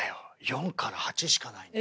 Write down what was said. ４から８しかない。